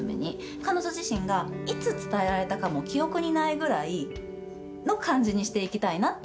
彼女自身がいつ伝えられたかも記憶にないぐらいの感じにしていきたいなと。